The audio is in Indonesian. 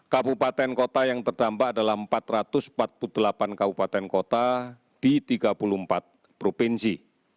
kabupaten kota yang terdampak adalah empat ratus empat puluh delapan kabupaten kota di tiga puluh empat provinsi